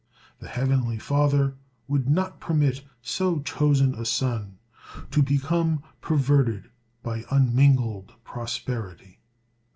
The Heavenly Father would not permit so chosen a son to become perverted by unmingled prosperity.